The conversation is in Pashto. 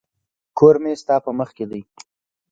کور مي ستا په مخ کي دی.